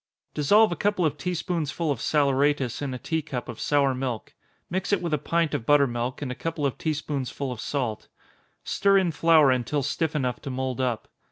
_ Dissolve a couple of tea spoonsful of saleratus in a tea cup of sour milk mix it with a pint of butter milk, and a couple of tea spoonsful of salt. Stir in flour until stiff enough to mould up.